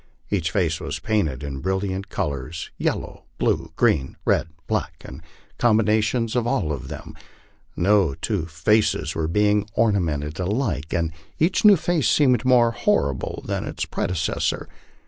Each face was painted in brilliant colors, yel low, blue, green, red, black, and combinations of all of them, no two faces being ornamented alike, and each new face seeming more horrible than its predecessor.